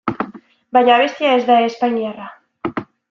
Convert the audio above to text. Baina abestia ez da espainiarra.